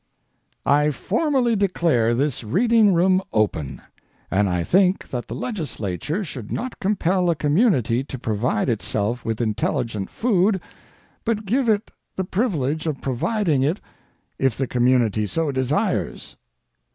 I formally declare this reading room open, and I think that the legislature should not compel a community to provide itself with intelligent food, but give it the privilege of providing it if the community so desires.